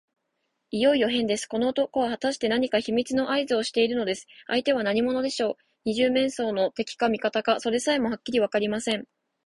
いよいよへんです。この男はたしかに何か秘密のあいずをしているのです。相手は何者でしょう。二十面相の敵か味方か、それさえもはっきりわかりません。